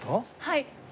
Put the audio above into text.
はい。